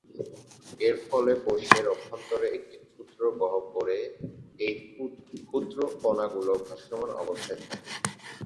এর ফলে কোষের অভ্যন্তরে একটি ক্ষুদ্র গহ্বরে এই ক্ষুদ্র কণাগুলো ভাসমান অবস্থায় থাকে।